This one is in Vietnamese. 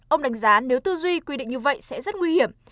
ông đánh giá nếu tư duy quy định như vậy sẽ rất nguy hiểm